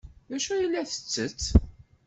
D acu ay la tettett?